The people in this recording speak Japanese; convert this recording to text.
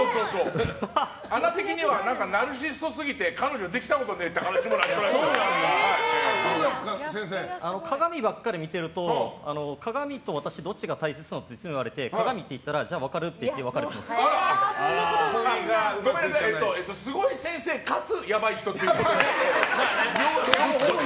穴的にはナルシシストすぎて彼女できたことないっていう鏡ばっかり見ていると鏡と私どっちが大切なの？って言われて鏡って言ったらじゃあ別れよって言ってすごい先生かつやばい人っていうことで。